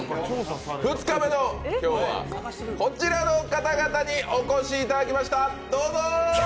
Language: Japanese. ２日目の今日はこちらの方々にお越しいただきました！